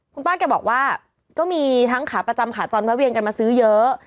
คุณป้าแกบอกว่าก็มีทั้งขาประจำขาจรแวะเวียนกันมาซื้อเยอะ